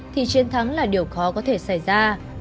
thì chiến thắng là điều khó có thể xảy ra